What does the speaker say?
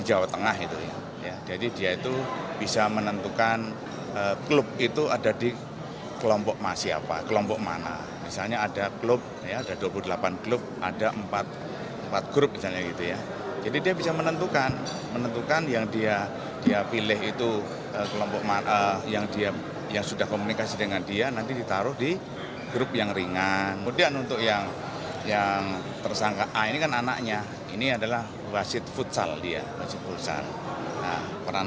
anik berperan mengumpulkan uang dari pelapor yakni lasmi indrayani manajer persibara banjar negara